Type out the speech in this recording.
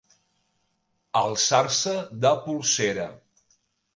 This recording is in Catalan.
Alçar-se de polsera.